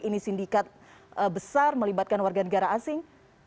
ini sindikat besar melibatkan warga negara asing